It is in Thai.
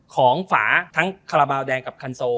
ของฝาทั้งคลาบาวแดงกับคันโซ